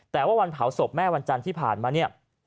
แต่ว่าวันเผาศพแม่วันจันทร์ที่ผ่านมาเนี่ย